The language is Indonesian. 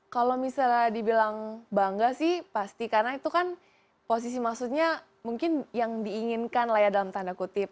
kalau misalnya dibilang bangga sih pasti karena itu kan posisi maksudnya mungkin yang diinginkan lah ya dalam tanda kutip